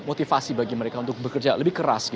motivasi bagi mereka untuk bekerja lebih keras